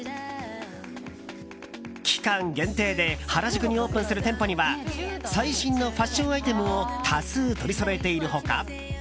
期間限定で原宿にオープンする店舗には最新のファッションアイテムを多数取りそろえている他